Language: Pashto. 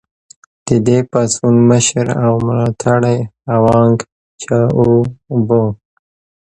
د دې پاڅون مشر او ملاتړی هوانګ چائو و.